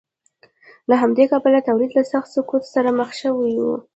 له همدې کبله تولید له سخت سقوط سره مخ شو.